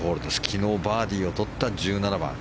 昨日バーディーをとった１７番。